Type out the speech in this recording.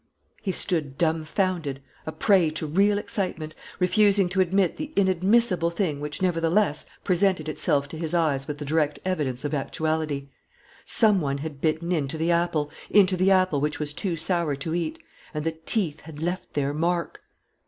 He stood dumfounded, a prey to real excitement, refusing to admit the inadmissible thing which nevertheless presented itself to his eyes with the direct evidence of actuality. Some one had bitten into the apple; into the apple which was too sour to eat. And the teeth had left their mark!